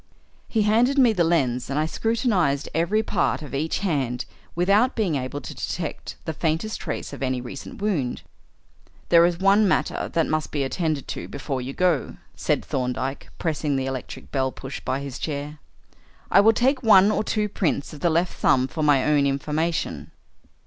He handed me the lens and I scrutinised every part of each hand without being able to detect the faintest trace of any recent wound. "There is one other matter that must be attended to before you go," said Thorndyke, pressing the electric bell push by his chair. "I will take one or two prints of the left thumb for my own information."